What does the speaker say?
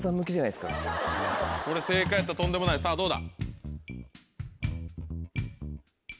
これ正解やったらとんでもないさぁどうだ？